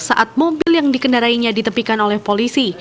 saat mobil yang dikendarainya ditepikan oleh polisi